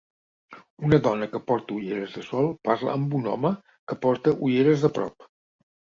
Una dona que porta ulleres de sol parla amb un home que porta ulleres de prop.